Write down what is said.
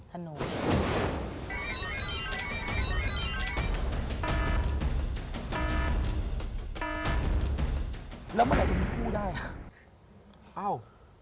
แล้วเมื่อไหร่จะมีคู่ได้